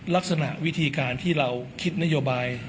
ลักษณะวิธีการที่เราคิดนโยบาย